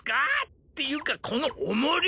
っていうかこの重り！